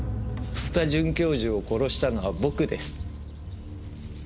曽田准教授を殺したのは僕です。